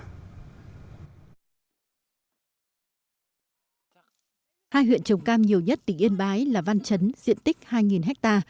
hai huyện trồng cam nhiều nhất tỉnh yên bái là văn chấn diện tích hai ha